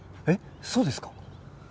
えっそうですか？